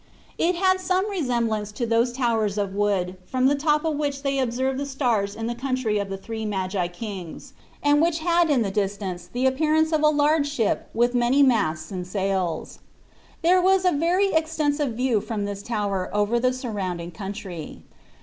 It had some resemblance to those towers 90 TTbe 1Rati\>it of of wood from the top of which they observed the stars in the country of the three Magi kings, and which had in the distance the appearance of a large ship with many masts and sails. There was a very extensive view from this tower over the surrounding country.